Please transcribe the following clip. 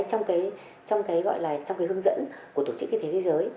trong cái gọi là trong cái hướng dẫn của tổ chức y tế thế giới